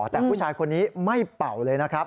แต่ผู้ชายคนนี้ไม่เป่าเลยนะครับ